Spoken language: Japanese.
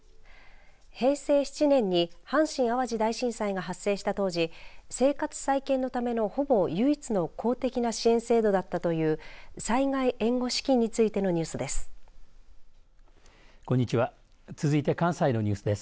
平成７年に阪神・淡路大震災が発生した当時生活再建のためのほぼ唯一の公的な支援制度だったという災害援護資金についてのニュースです。